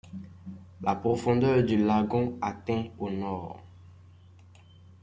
La profondeur du lagon atteint au nord.